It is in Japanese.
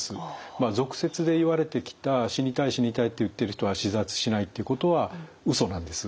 俗説で言われてきた死にたい死にたいって言ってる人は自殺しないっていうことはうそなんです。